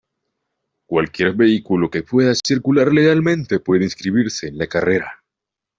Cualquier vehículo que pueda circular legalmente puede inscribirse en la carrera.